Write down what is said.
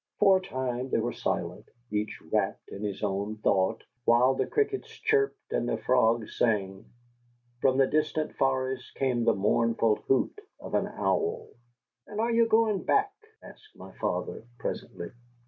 '" For a time they were silent, each wrapped in his own thought, while the crickets chirped and the frogs sang. From the distant forest came the mournful hoot of an owl. "And you are going back?" asked my father, presently.